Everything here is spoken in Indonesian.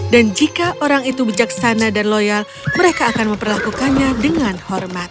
dan jika orang itu bijaksana dan loyal mereka akan memperlakukannya dengan hormat